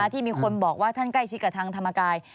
ที่มีคนบอกว่าท่านใกล้ชิดกับทางธรรมกาย